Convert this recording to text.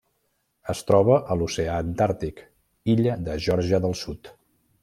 Es troba a l'oceà Antàrtic: illa de Geòrgia del Sud.